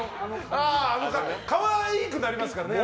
可愛くなりますからね。